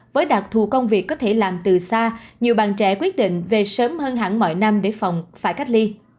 với đặc thù công việc có thể làm từ xa nhiều bạn trẻ quyết định về sớm hơn hẳn mọi năm để phòng phải cách ly